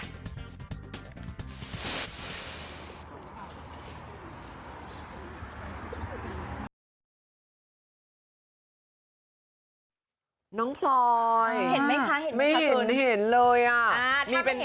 น้องพลอยเห็นไหมคะเห็นไม่เห็นเห็นเลยอ่ะอ่าถ้าไม่เห็น